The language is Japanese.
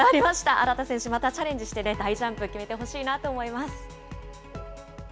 荒田選手、またチャレンジしてね、大ジャンプ決めてほしいなと思います。